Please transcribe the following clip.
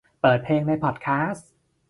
เปิดเพลงในพอดคาสต์